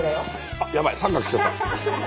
あっやばい三角来ちゃった。